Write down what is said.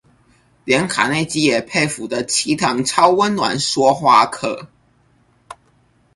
連卡內基也佩服的七堂超溫暖說話課